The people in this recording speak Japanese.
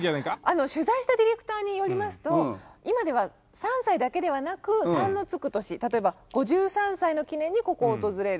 取材したディレクターによりますと今では３歳だけではなく３のつく年例えば５３歳の記念にここを訪れる。